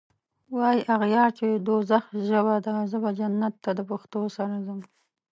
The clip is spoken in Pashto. واي اغیار چی د دوږخ ژبه ده زه به جنت ته دپښتو سره ځم